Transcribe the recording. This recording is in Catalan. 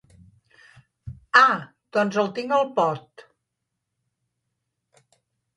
Ah, doncs el tinc al pot.